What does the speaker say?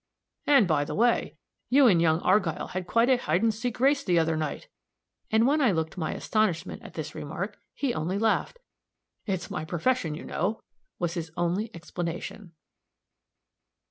And, by the way, you and young Argyll had quite a hide and seek race the other night!" and when I looked my astonishment at this remark, he only laughed. "It's my profession, you know," was his only explanation.